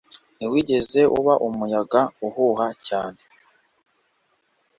Ntiwigeze uba umuyaga uhuha cyane